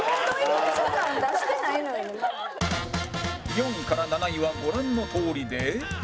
４位から７位はご覧のとおりで